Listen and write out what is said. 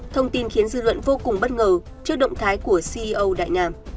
thông tin khiến dư luận vô cùng bất ngờ trước động thái của ceo đại ngàn